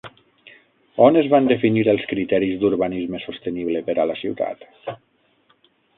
On es van definir els criteris d'urbanisme sostenible per a la ciutat?